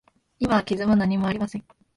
今は傷も何もありません。